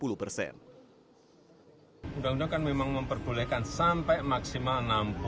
undang undang kan memang memperbolehkan sampai maksimal enam puluh